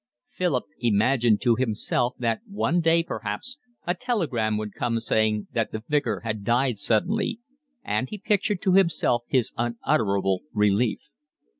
Philip imagined to himself that one day perhaps a telegram would come saying that the Vicar had died suddenly, and he pictured to himself his unutterable relief.